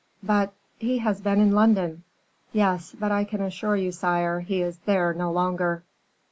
"But he has been in London." "Yes; but I can assure you, sire, he is there no longer."